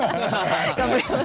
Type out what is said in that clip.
頑張ります。